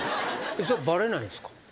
それバレないんですか？